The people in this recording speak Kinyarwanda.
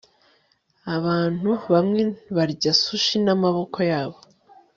abantu bamwe barya sushi n'amaboko yabo